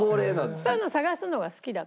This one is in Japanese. そういうの探すのが好きだから。